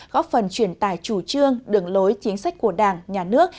góp phần truyền tài chủ trương đường lối chính sách của đảng nhà nước